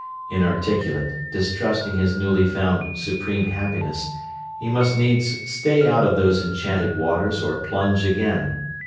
Inarticulate, distrusting his newly found supreme happiness, he must needs stay out of those enchanted waters or plunge again.